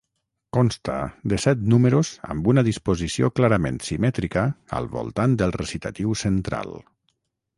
Consta de set números amb una disposició clarament simètrica al voltant del recitatiu central.